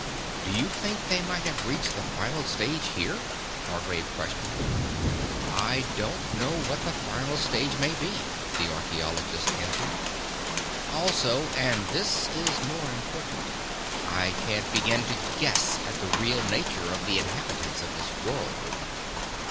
"Do you think they might have reached the final stage here?" Hargraves questioned. "I don't know what the final stage may be," the archeologist answered. "Also, and this is more important, I can't begin to guess at the real nature of the inhabitants of this world.